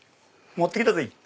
持って来たぜい。